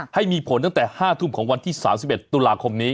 ให้มีผลตั้งแต่๕ทุ่มของวันที่๓๑ตุลาคมนี้